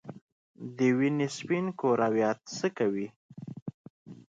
د وینې سپین کرویات څه کوي؟